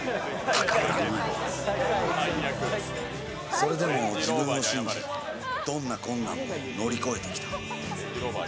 それでも自分を信じどんな困難も乗り越えてきた。